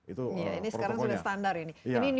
ini sekarang sudah standar ini ini new normal ini